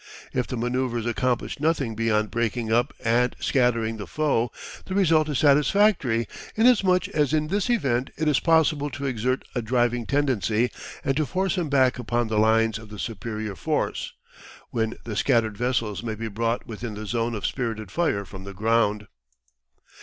If the manoeuvres accomplish nothing beyond breaking up and scattering the foe, the result is satisfactory in as much as in this event it is possible to exert a driving tendency and to force him back upon the lines of the superior force, when the scattered vessels may be brought within the zone of spirited fire from the ground.